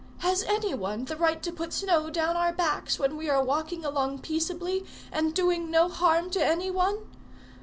Has any one the right to put snow down our backs when we are walking along peaceably, and doing no harm to any one?